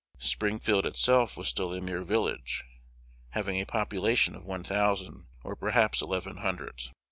Springfield itself was still a mere village, having a population of one thousand, or perhaps eleven hundred.